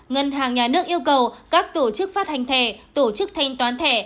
ngân hàng nhà nước yêu cầu các tổ chức phát hành thẻ tổ chức thanh toán thẻ